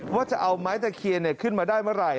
ว่าจะเอาไม้ตะเคียนขึ้นมาได้เมื่อไหร่